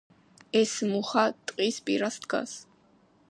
ეს მუხა ტს პირას დგას